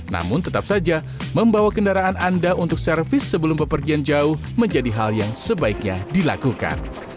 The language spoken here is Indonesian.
namun tetap saja membawa kendaraan anda untuk servis sebelum pepergian jauh menjadi hal yang sebaiknya dilakukan